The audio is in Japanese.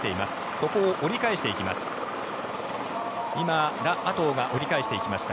ここを折り返していきました。